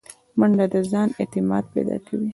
منډه د ځان اعتماد پیدا کوي